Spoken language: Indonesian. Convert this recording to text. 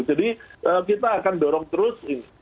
jadi kita akan dorong terus ini